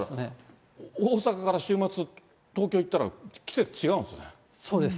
大阪から週末、東京行ったら、そうです。